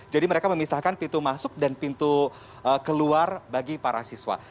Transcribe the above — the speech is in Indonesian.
jadi mereka memisahkan pintu masuk dan pintu keluar bagi para siswa